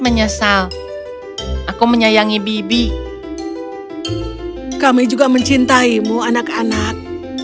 menyesal aku menyayangi bibi kami juga mencintaimu anak anak